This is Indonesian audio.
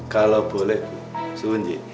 kalau boleh suwunji